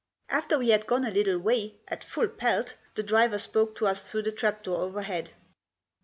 After we had gone a little way — at full pelt !— the driver spoke to us through the trap door overhead.